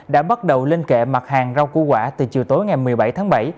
đã bắt đầu lên kệ mặt hàng rau củ quả từ chiều tối ngày một mươi bảy tháng bảy